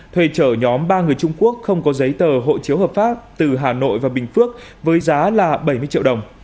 thuê chở nhóm ba người trung quốc không có giấy tờ hộ chiếu hợp pháp từ hà nội và bình phước với giá là bảy mươi triệu đồng